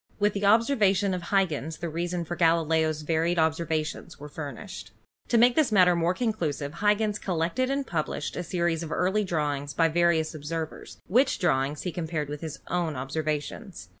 With the observations of Huygens the reasons for Gali leo's varied observations were furnished. To make the matter more conclusive Huygens collected and published a series of early drawings by various observers, which drawings he compared with his own observations.